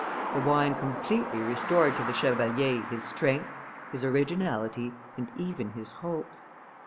The wine completely restored to the chevalier his strength, his originality, and even his hopes.